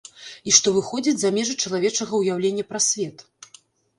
І што выходзіць за межы чалавечага ўяўлення пра свет.